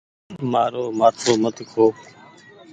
مآرو مآٿو مت کو۔